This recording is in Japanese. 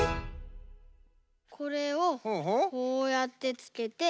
これをこうやってつけて。